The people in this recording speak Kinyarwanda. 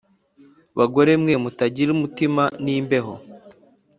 bagore mwe mutagira umutima nimbeho